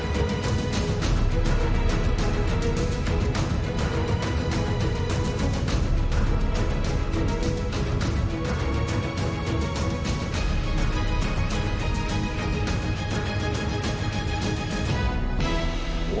ว้าว